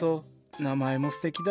名前もすてきだ。